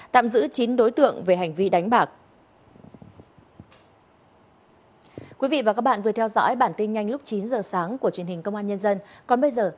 tạm giữ chín đối tượng về hành vi đánh bạc